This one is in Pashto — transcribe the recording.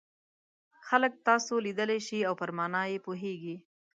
خلک تاسو لیدلای شي او پر مانا یې پوهیږي.